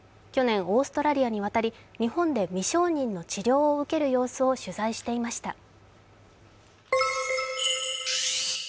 去年、オーストラリアに渡り日本で未承認の治療を受ける様子を取材していました。